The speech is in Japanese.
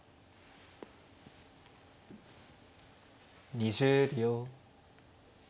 ２０秒。